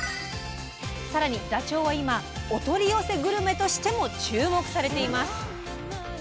更にダチョウは今お取り寄せグルメとしても注目されています！